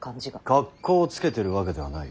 格好つけてるわけではない。